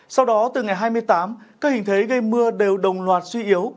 sau đó từ ngày hai mươi tám các hình thế gây mưa đều đồng loạt suy yếu